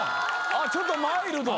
ちょっとマイルド！